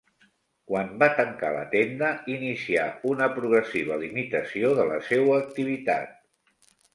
Quan va tancar la tenda, inicià una progressiva limitació de la seua activitat.